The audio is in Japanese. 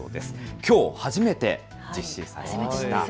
きょう初めて実施されました。